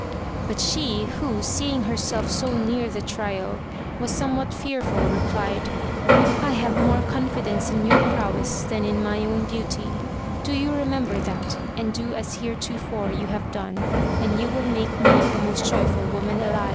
But she, who, seeing herself so near the trial, was somewhat fearful, replied, I have more confidence in your prowess than in my own beauty; do you remember that, and do as heretofore you have done, and you will make me the most joyful woman alive.